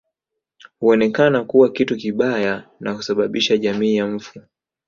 Huonekana kuwa kitu kibaya na kusababisha jamii ya mfu